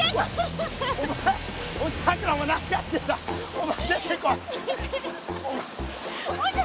おまえ出てこい。